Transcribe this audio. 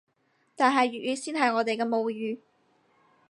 但係粵語先係我哋嘅母語